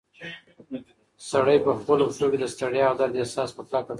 سړی په خپلو پښو کې د ستړیا او درد احساس په کلکه کاوه.